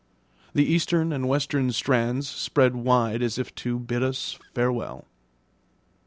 The eastern and western strands spread wide as if to bid us farewell.